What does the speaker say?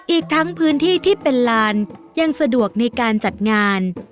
อีกทั้งพื้นที่ที่เป็นลานยังสะดวกในการจัดงาน